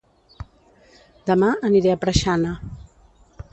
Dema aniré a Preixana